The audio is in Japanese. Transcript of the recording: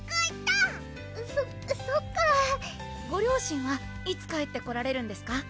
そそっかご両親はいつ帰ってこられるんですか？